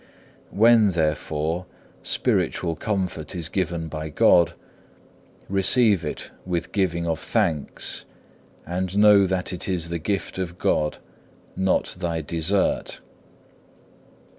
4. When, therefore, spiritual comfort is given by God, receive it with giving of thanks, and know that it is the gift of God, not thy desert.